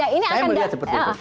saya melihat seperti itu